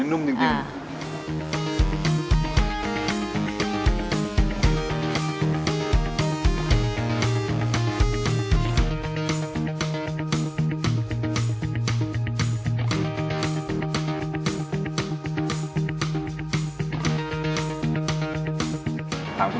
นี่นุ่มจริงจริงอ่า